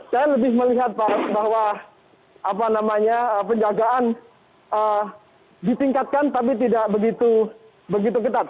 saya lebih melihat pak bahwa penjagaan ditingkatkan tapi tidak begitu ketat